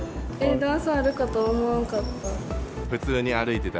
段差あるかと思わんかった。